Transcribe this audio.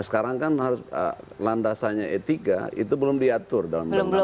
nah sekarang kan harus landasannya etika itu belum diatur dalam adem ademilu